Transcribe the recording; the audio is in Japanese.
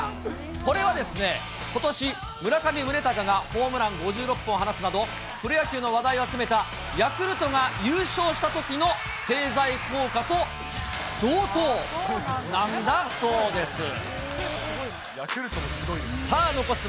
これは、ことし、村上宗隆がホームラン５６本を放つなど、プロ野球の話題を集めたヤクルトが優勝したときの経済効果と同等ヤクルトもすごいです。